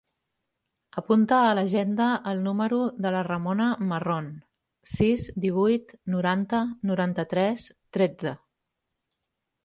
Apunta a l'agenda el número de la Ramona Marron: sis, divuit, noranta, noranta-tres, tretze.